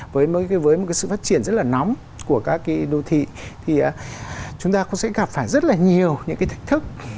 với một cái sự phát triển rất là nóng của các cái đô thị thì chúng ta cũng sẽ gặp phải rất là nhiều những cái thách thức